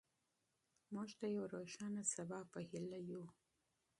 موږ د یو روښانه سبا په هیله یو.